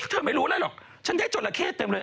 เธอไม่รู้แล้วหรอกฉันได้จละเข้เต็มเลย